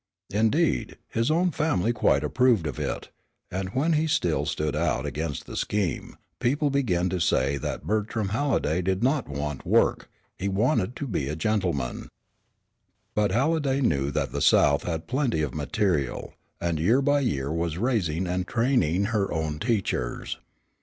Indeed, his own family quite approved of it, and when he still stood out against the scheme, people began to say that Bertram Halliday did not want work; he wanted to be a gentleman. But Halliday knew that the South had plenty of material, and year by year was raising and training her own teachers.